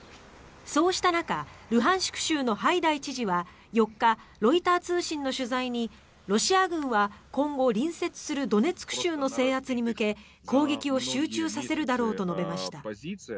そうした中、ルハンシク州のハイダイ知事は４日ロイター通信の取材にロシア軍は今後、隣接するドネツク州の制圧に向け攻撃を集中させるだろうと述べました。